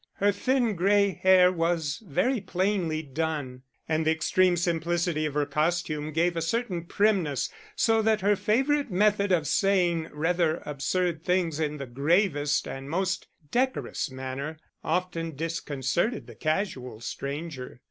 Her thin gray hair was very plainly done; and the extreme simplicity of her costume gave a certain primness, so that her favourite method of saying rather absurd things in the gravest and most decorous manner often disconcerted the casual stranger.